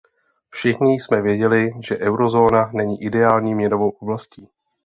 Všichni jsme věděli, že eurozóna není ideální měnovou oblastí.